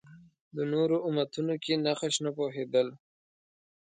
د نورو امتونو کې نقش نه پوهېدل